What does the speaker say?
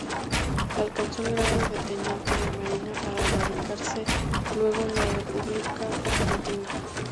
Alcanzó el grado de teniente de marina para radicarse luego en la República Argentina.